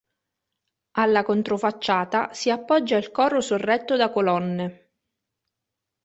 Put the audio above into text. Alla controfacciata si appoggia il coro sorretto da colonne.